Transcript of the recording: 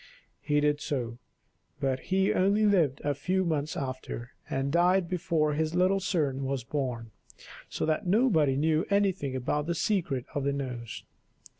He did so, but he only lived a few months after, and died before his little son was born, so that nobody knew anything about the secret of the nose.